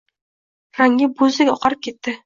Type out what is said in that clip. rangi bo‘zdek oqarib ketdi.